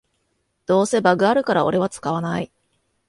どうせバグあるからオレは使わない